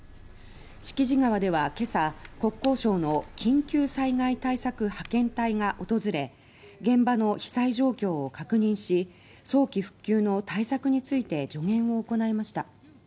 敷地川ではけさ国交省の緊急災害対策派遣隊が訪れ現場の被災状況を確認し早期復旧の対策について助言を行いました。